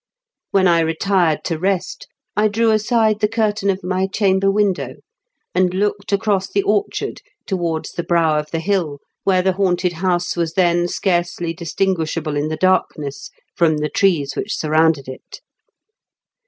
When I retired to rest I drew aside the curtain of my chamber window, and looked across the orchard towards the brow of the hill, where the haunted house was then scarcely distinguishable in the dark ness from the trees which surrounded it.